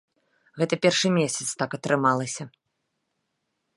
Гэта першы месяц так атрымалася.